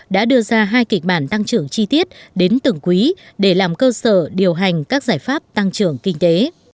đã đưa ra hai kịch bản tăng trưởng chi tiết đến từng quý để làm cơ sở điều hành các giải pháp tăng trưởng kinh tế